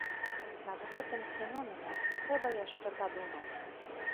Над гэтым феноменам трэба яшчэ падумаць.